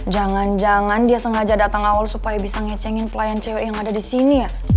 jangan jangan dia sengaja datang awal supaya bisa ngecengin pelayan cewek yang ada di sini ya